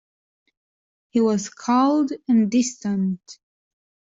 He was cold and distant.